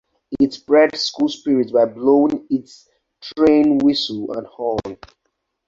It spreads school spirit by blowing its train whistle and horn.